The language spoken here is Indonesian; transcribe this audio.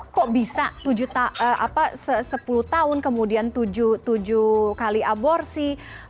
kok bisa sepuluh tahun kemudian tujuh kali aborsi